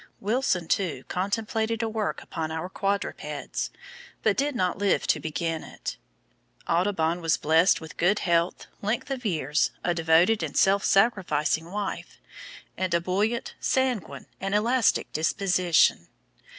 Wilson, too, contemplated a work upon our quadrupeds, but did not live to begin it. Audubon was blessed with good health, length of years, a devoted and self sacrificing wife, and a buoyant, sanguine, and elastic disposition.